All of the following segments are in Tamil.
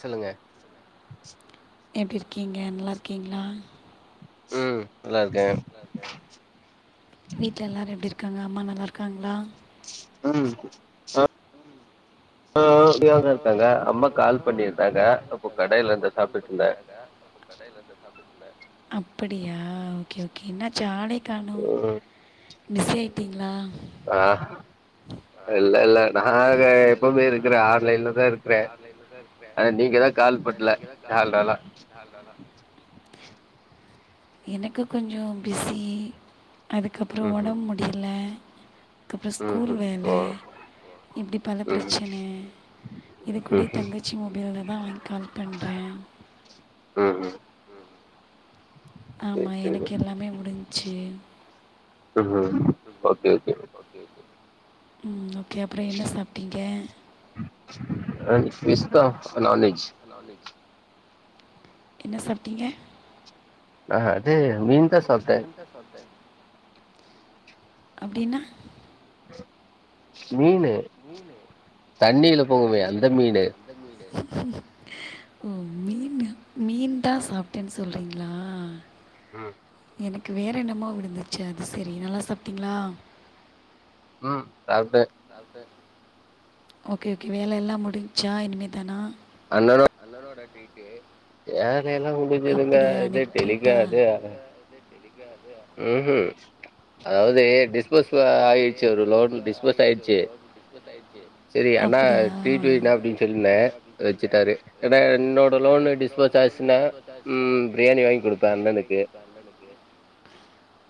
சொல்லுங்க எப்படி இருக்கீங்க நல்லா இருக்கீங்களா உம் நல்லா இருக்கே வீட்டுல எல்லாரும் எப்படி இருக்காங்க அம்மா நல்லா காலாம் உம் ஆஹ [unintelligible] [unintelligible] இருக்காங்க அம்மா கால் பண்ணிருந்தாங்க அப்போ கடையில இருந்த சாப்பிட்டு இருந்தே அப்படியா ஓகே ஓகே என்னா சாலைக்கு கணும் பிஸி ஆகிட்டிங்களா ஆஹ் இல்ல இல்ல நாங்க எப்பவுமே இருக்கிறேன் ஆன்லைன்லதா இருக்கிறேன் ஆன நீங்கதா கால் பண்ணல நாலு நாளா எனக்கு கொஞ்சம் பிஸி அதுக்கப்புறம் உடம்பு முடியல ஸ்கூல் வேலை இப்படி பல பிரச்சனை இது கூட தங்கச்சி மொபைலில் தா வாங்கி கால் பண்ணுறேன் ஆமா எனக்கு எல்லாமே முடிஞ்சச்சு ஹம் ஓகே ஓகே உம் ஓகே அப்புறம் என்ன சாப்பிட்டீங்க அ விஸ்த நான் வெஜ் என்ன சாப்ட்டீங்க அது மீன் தா சாப்டேன் அப்படின்னா மீனு தண்ணியில போங்கமே அந்த மீனு ஓ மீன் மீன் தா சாப்பிட்டேன்னு சொல்றீங்களா உம் எனக்கு வேறு என்னமோ விழுந்துச்சு அது சரி நல்லா சாப்பிட்டிங்களா ம் சாப்ட ஓகே ஓகே வேல எல்லாம் முடிசச்சா இனிமேதானா அலாலோ ராடி வேல எல்லாம் முடிஞ்சதுங்க இதே டெலிக்கா அதே தெளிக்க அது அதாவது டிஸ் அப்படியா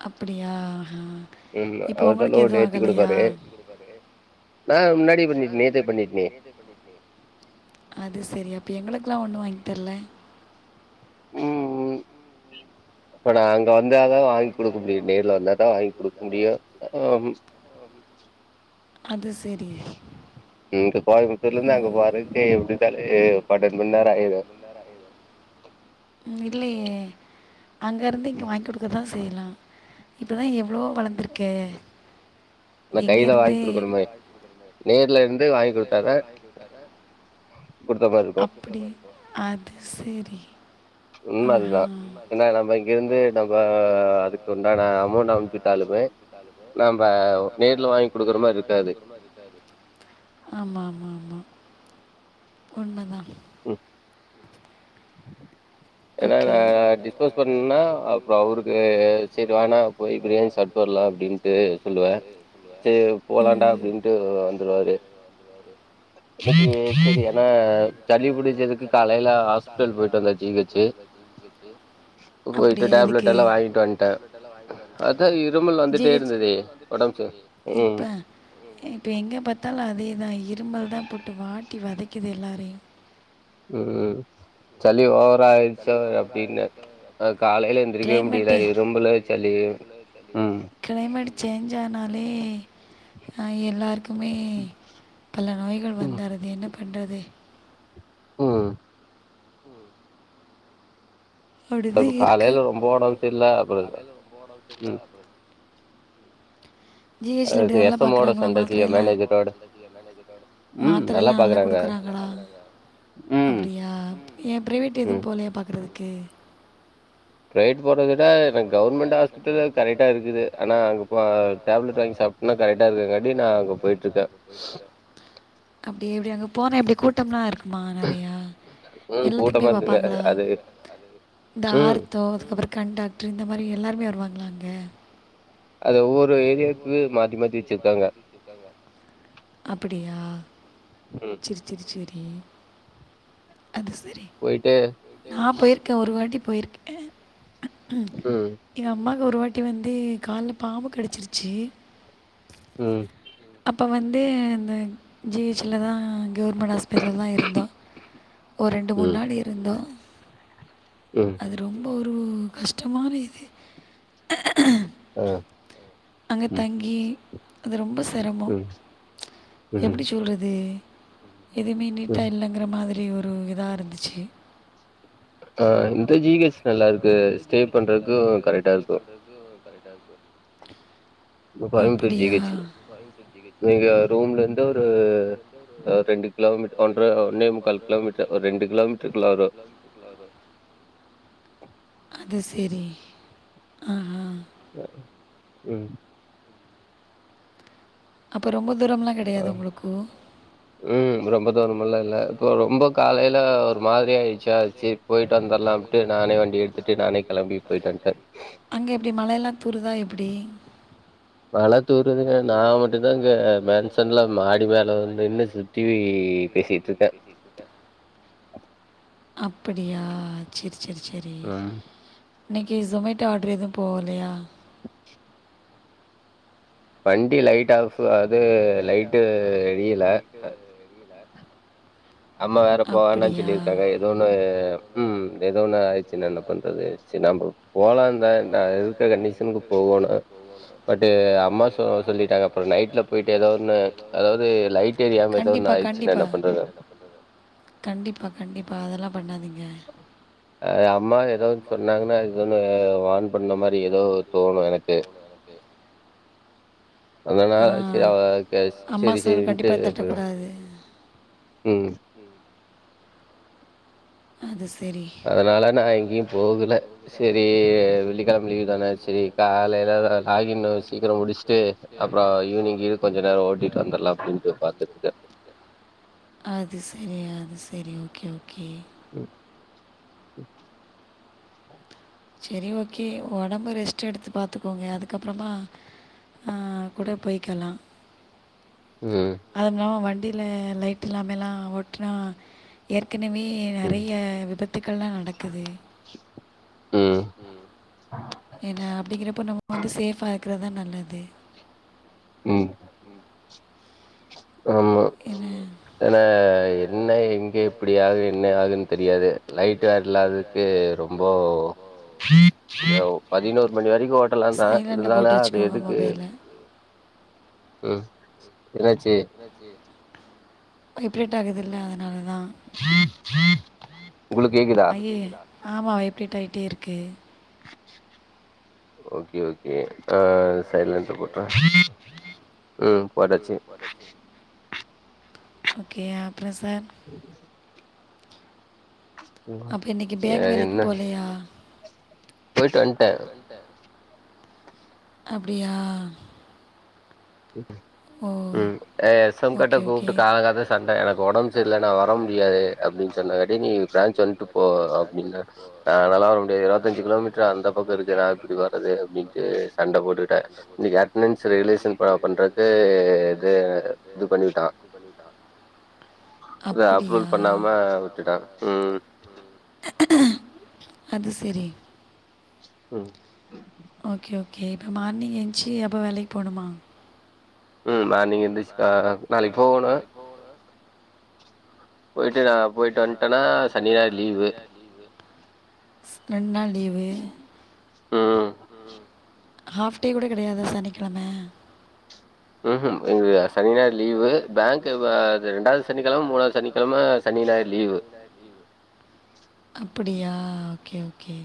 அப்படியா உம் அவ [unintelligible] நேத்தி குடுப்பாரு ஆ அது செரி அப்ப எங்களுக்கல்லா ஒண்ணு வாங்கி தர்ல உம் உம் இப்ப நா அங்க வந்தா தா வாங்கி குடுக்க முடியு நேர்ல வந்தா தா வாங்கி குடுக்க முடியு அது செரி ம் இல்லையே அங்கருந்து இங்க வாங்கி குடுக்கறதா [unintelligible] இப்பதா எவ்ளோ வளந்திருக்கே நா கையில வாங்கி குடுக்கணுமே நேர்ல இருந் நேர்ல இருந்து வாங்கி குடுத்தா தா அப்படி அ சேரி ஆஹா ஆமாமாமா உண்ம தா ம் ஒகே ம் [inaudible] சரி ஏனா சளி புடிச்சதுக்கு காலைல ஹாஸ்பிட்டல் போயிட்டு வந்தாச்சு சே போயிட்டு டேப்லெட் எல்லா வாங்கிட்டு வந்டே அதா இரும்மல் வந்துட்டே இருந்ததே உடம்புச் செ ம் இரும்பல் தா போட்டு வாட்டி வதைக்குது எல்லாரையு உம் சளி ஓவர் கிளைமெட்டு கிளைமெட்டு சேஞ்ச் னாலே அ எல்லாருக் குமே பல நோய்கள் வந்தறதே என்னப் பண்றது ப்ப காலைல ரொம்ப ஒடம்பு சரில அப்ற உம் ஜி ஹச் ல எப்டி நல்லா பாக்குறாங்களா மாத்திரையெல்லா மாத்திரையெல்லா நல்லா குடுக்குறாங்களா அப்டியா ய பிரைவேட்டு எதுவும் போலையா பாக்குறது ம் ரைட் அப்டியே அங் போனா எப்டி கூட்டம்லாம் இருக் மா நெறயா எல்லாத்துக்குமே பாப்பாங்ளா இந்த ஆர்த்தோ அதுக்கப் கண் டாக்டு இந்த மாரிப் எல்லாருமே வருவாங்களா அங்க அப்படியா செரி செரி சேரி [inaudible] போயிட்டு நா போயிருக்கே ஒரு ரு வாட்டி போயிருக்கே ம் யா அம்மாக் ஒரு வாட்டி வந்து ய கால்ல பாம்பு கடைச்சிருச்சு உம் ப்ப வந்து இந்த ஜிஹெச்ல்ல தா கவர்மெண்ட் ஹாஸ்பிட்டல தா இருந்தோம் ஒரு ரெண்டு மூன்ணு நாள் இருந்தோ அது ரோம் ஓரு கஷ்டமானஇது உம் அங்கே தங்கி அது ரொம்ப சிரம்மோ எப்டி சொல்றது ஏ எதுவுமே நீட்டா இல்லங்கிற மாதிரி ஒரு இதா இருந்ச் சி ஹ இந்த ஜி ஹெச் நல்லா இருக் இந்த ஜி ஹெச் நல்லா இருக்கு ஸ்டே பண்றதுகு கரெக் ருபா எலு ஜி ஹெச் எங்க ரூம்ல இ எங்க ரூம் வந்து ஒரு ரெண்டு கிலோ பன்ற ஒன்னால் கிலோமீட்டர் ரெண்டு கிலோமீட்டருக்குள்ள அது செரி ஹா ஹ ம் அப்ப ரொம்ப ஆஹ் உம் ரொம்ப தூரம் ல்ல இல்ல இப்ப ரொம்ப அங்க எப்படி மழைய எல்லாம் தூருதா எப்படி மழ தூர்றதுங்க நான் மட்டும்தான் இங்க மென்சன்ல மாடி மேல வந்துன்னு சுத்தி பேசிட்டு இருகே அப்படியா செரி செரி செரி இன்னைக்கு சொமேட்டோ ஆர்டர் எதுவும் போலயா வண்டி லைட் ஆஃப் வண்டி லைட் ஆப் அது லைட்டு எரியல அம்மா வேற போவேனானு சொல்லிருக்காங்க ஏத ஒண்ணு ம் ஏதோ ஒண்ணு சின்னனப் பண்றது சின்னாம்பு கண்டிப்பா கண்டிப்பா கண்டிப்பா கண்டிப்பா அதெல்லா பண்ணாதீங்க அம்மா ஏதோ சொன்னாங்கன்னா எ ஒன்னு வான் பண்ண மாரி ஏதோ தோணு எனக்கு அதனல சே ஹ செரி செரின்ட்டு போ ம் அது சா அது செரி அது செரி ஓகே ஓகே ம் செரி ஓகே ஒடம்பு ரெஸ்ட் எடுத்து பார் த்துக்கோங்க அதுக்கப்பறமா ஆஹ் கூட போய்கலா அதுல்லாம வண் வண்டில லைட் இல்லாமல்லாம் ஓட்டனா ஏ ஏற்கனவே நெறைய விபத்துக்கள்லா நடக்குது என்ன அப்டிங்கிறப்போ நம்ப வந்து சேஃபா இரு இருக்கிறதா நல்லது உம் [inaudible] ஆமா ஏனா என்ன இங்க அப்படியாக என்ன ஆகுதுன்னு தெரியாது லைட் வேர் இல்லாதுக்கு ரொம்ப பதினோரு மணி வரைக்கும் ஓட்டலாம் தான் இருந்தாலும் அது எதுக்கு உம் என்னாச்சி வைப்ரேட் ஆகுதுல்ல உங்களுக்கு கேக்குதா ஆம வைப்ரட் ஆயிட்டே இருக்கு ஓகே ஓகே ஆஹ் சைலன்ட்ல போட்ருறேன் உம் போட்டாச்சு ஓகே அப் பிரசன் உ செரி என்ன போய்ட்டு வந்டே அப்படியா ம் எஸ் எம் கட்ட கூப்பிட்டு கால காத்த சண்ட எனக்கு ஒடம்பு சுரியில்ல நான் வர முடியாது அப்படின்னு சொன்னாட்டி நீ பிரான்ச்சு வன்ட்டு போ அப்படின்னாரு நனாலா வர முடியாது இருபத்தஞ்சு கிலோமீட்டர் அந்த பக்கம் இருக்கு நான் எப்படி வர்றது அப்படின்ட்டு சண்ட போட்டுட்டேன் இன்னைக்கு அட்டன்ஸ் ரெகுலேஷன் பண்றதுக்கு இது பண்ணி விட்டான் அப்ரூவல் பண்ணாம விட்டுட்டான் உம் அது சேரி உம் ஓகே ஓகே இப்போ மார்னிங் எஞ்சு எப்போ வேலைக்கு போணுமா உம் மார்னிங் எந்துருச்சு [unintelligible] நாளைக்கு போவணும் போயிட் நா போயிட்டு வந்துட்டேன்னா சனிஞாயிறு லீவு ரெண்டுநாள் லீவு ஹாஃப் டே கூட கெடையாதா சனிக்கெழம ம்ஹூம் அப்படியா ஓகே ஓகே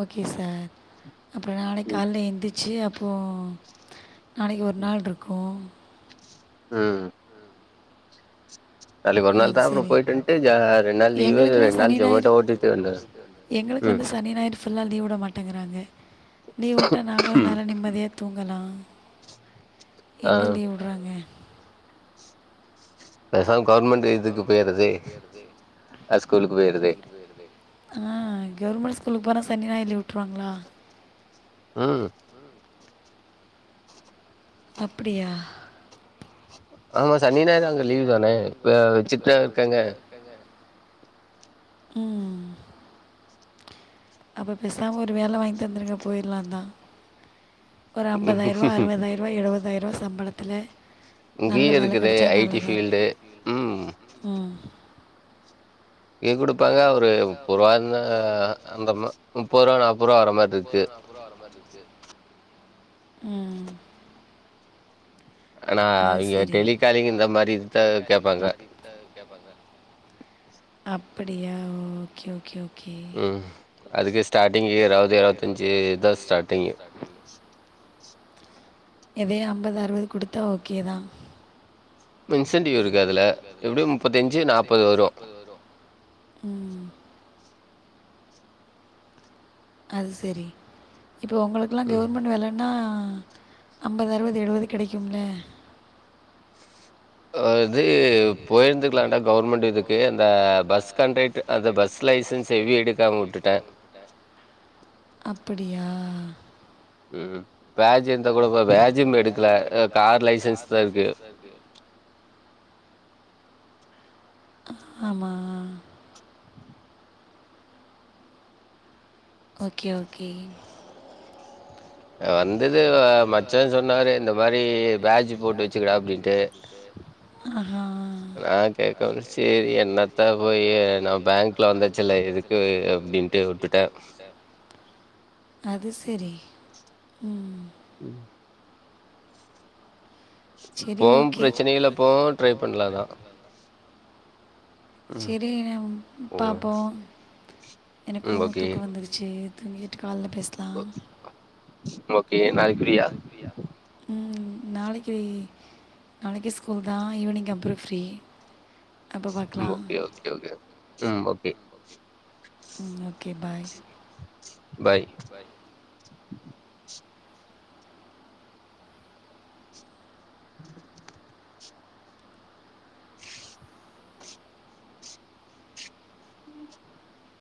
ஓகே சார் அப்புறம் நாளைக்கு கால எழுந்திரிச் ச்சு அப்போ நாளைக்கு ஒரு நாள் இருக்கும் உம் அது சரி எங்களுக்குல்லாம் சனி ஞாயர் எங்களுக்கு வந்து சனி ஞாயறு ஃபுல்லா லீவிட மாட்டேங்கறாங்க நீ ஊட்ட நாங்கள நல்ல நிம்மதிய தூங்கலாம் எங்க லீவ் விடுறாங்க அஹா கவர்மெண்ட் ஸ்கூலுக்கு போனா சனிஞாயிறு லீவு விட்டுருவாங்களா உம் அப்டியா ஆமா சனிஞாயிறு அங்க லீவ் தானே இப்ப வச்சிட்டா இருக்காங்க உம் அப்ப பெசாம ஒரு வேல வாங்கி தந்துருங்க போயிரலாம் தா ஒரு ஐம்பதாயரூாபா அறுபதாயிர ரூபா எழுபதாயிர ரூபா சம்பளத்தள இங்கியு இருக்குதே ஐடி ப்ஃபீல்டு உம் இங்க குடுப்பாங்க ஒரு முப்பது ரூவா இருந்த அந்த முப்பது ரூபா நா முப்பரூவா நாப்பரூவா வர மாரி இருக்கு உம் ஆனா இங்க டெலிகாலிங் இந்த மாதிரி இதுதா கேப்பாங்க அப்படியா ஓ ஓகே ஓகே உம் அதுக்கு ஸ்டார்ட்டிங்கு இருபது இருபத்தஞ்சுதா ஸ்டார்ட்டிங்கு எதையோ அம்பது அறுவது குடுத்தா ஓகே தா இன்சென்டிவ் இருக்கு அதுல எப்டியு முப்பத்தஞ்சு நாப்பது வரு ம் அது சரி இப்போ உங்களுக்கலா கெவுர்மெண்ட் வேலனா ஆ அம்பது அறுவது எழுவது கெடைக்கும்ல அது போய்ந்துக்கலான்டா கவ்ர்மெண்ட் இதுக்கு அந்த பஸ் கண்ட்ரக்ட அந்த பஸ் லைசன்ஸ் எவி எடுக்காம விட்டுட்ட அப்படியா ம் பேஜ் இருந்தா குடுப்ப பேஜு இன்னு எடுக்ல கார் லைசன்ஸ் தா இருக்கு ஆமா ஓகே ஓகே வந்தது மச்சா சொன்னாரு இந்த மாரி பேஜ்ஜு போட்டு வெச்சுக்கடா அப்டின்ட்டு நா கேக்கல சேரி என்னத்த போய் நா பேங்குல வந்துச்சுல எதுக்கு அப்டின்ட்டு வுட்டுட்ட அது செரி ம் ம் சரி ஓகே சரினே பாப்போ எனக்கோ தூக்கோ வந்துருச்சு தங்கிட்டு கால்ல பேஸ்லா ஓக் ஓகே நாளைக்கு ஃப்ரீயா நாளைக்கி நாளைக்கி ஸ்கூல் தா ஈவ்னிங் அப்றோ ஃப்ரீ ம் ஓகே ஓகே ஓகே ம் ஓகே ம் ஓகே பாய் பாய் பாய் [unintelligible]